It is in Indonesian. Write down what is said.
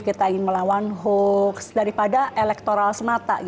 kita ingin melawan hoax daripada elektoral semata